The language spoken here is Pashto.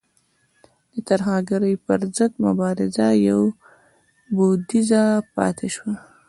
د ترهګرۍ پر ضد مبارزه یو بعدیزه پاتې شوه.